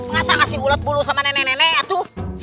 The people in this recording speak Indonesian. masa ngasih ulat bulu sama nenek nenek atu